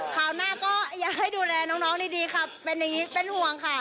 คราวหน้าก็อยากให้ดูแลน้องดีค่ะเป็นอย่างนี้เป็นห่วงค่ะ